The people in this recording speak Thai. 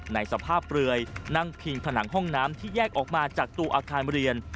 ในสภาพเปลือยนั่งพิงผนังห้องน้ำที่แยกออกมาจากตัวอาคารเรียน